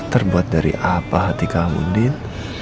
terbuat dari apa hati kamu nid